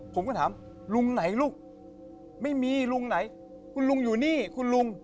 ผมก็ถามลุงไหนลูกไม่มีลุงไหนคุณลุงอยู่นี่คุณลุง